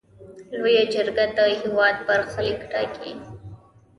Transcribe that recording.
لویه جرګه د هیواد برخلیک ټاکي.